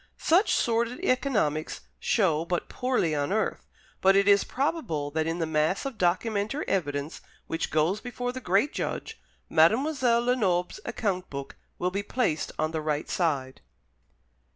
Such sordid economics show but poorly on earth; but it is probable that in the mass of documentary evidence which goes before the Great Judge, Mademoiselle Lenoble's account book will be placed on the right side.